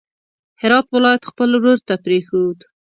هرات ولایت خپل ورور ته پرېښود.